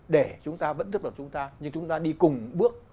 để chúng ta vẫn thức giọt chúng ta nhưng chúng ta đi cùng bước